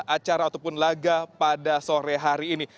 acara ataupun laga pada sore hari ini